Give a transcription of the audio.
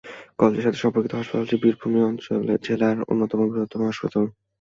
কলেজের সাথে সম্পর্কিত হাসপাতালটি বীরভূম জেলার অন্যতম বৃহত্তম হাসপাতাল।